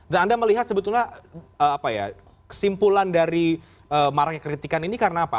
dan anda melihat sebetulnya apa ya kesimpulan dari eee marangnya kritikan ini karena apa